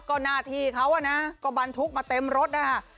ก็หน้าที่เขาอะนะก็บรรทุกมาเต็มรถนะคะ